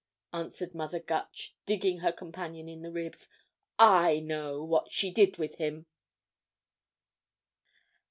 answered Mother Gutch, digging her companion in the ribs, "I know what she did with him!"